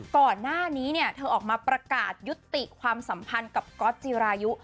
ก่อนหน้านี้เนี่ยเธอออกมาประกาศยุติความสัมพันธ์กับก๊อตจิรายุ